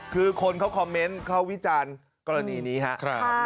คือคนเขาคอมเมนต์เขาวิจารณ์กรณีนี้ครับ